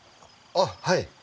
あっはい。